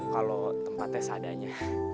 kalau tempatnya seadanya